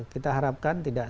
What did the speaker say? kita harapkan tidak